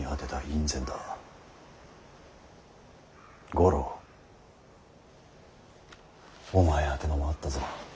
五郎お前宛てのもあったぞ。